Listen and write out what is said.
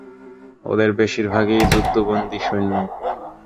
ওদের বেশিরভাগই যুদ্ধবন্দি সৈন্য!